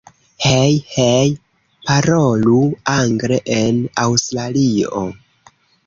Hej! Hej! Parolu angle en Aŭstralio!